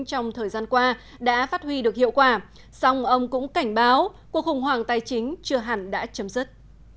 trong thời gian qua đã phát huy được hiệu quả song ông cũng cảnh báo cuộc khủng hoảng tài chính chưa hẳn đã chấm dứt